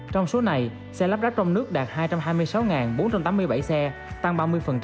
trong số này xe lắp ráp trong nước đạt hai trăm hai mươi sáu bốn trăm tám mươi bảy xe tăng ba mươi